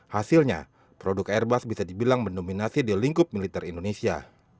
hasilnya produk airbus bisa dibilang mendominasi di lingkup militer indonesia